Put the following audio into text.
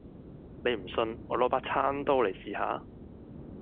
你唔信，我攞把餐刀你試下